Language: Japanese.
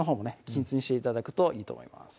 均一にして頂くといいと思います